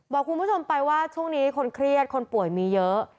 บอกคุณผู้ชมไปว่าช่วงนี้คนเครียดคนป่วยมีเยอะ